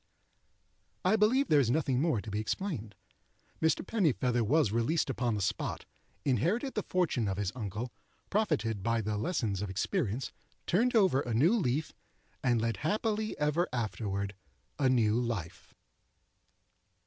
I believe there is nothing more to be explained. Mr. Pennifeather was released upon the spot, inherited the fortune of his uncle, profited by the lessons of experience, turned over a new leaf, and led happily ever afterward a new life.